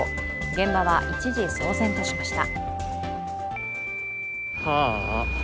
現場は一時、騒然としました。